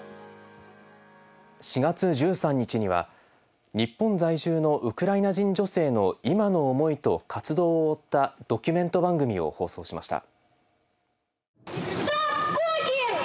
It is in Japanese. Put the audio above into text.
４月１３日には日本在住のウクライナ人女性の今の思いと活動を追ったドキュメント番組を放送しました。